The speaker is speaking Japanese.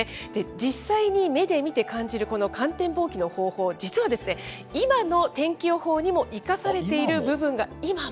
実際に目で見て感じるこの観天望気の方法、実は今の天気予報にも生かされている部分が今も。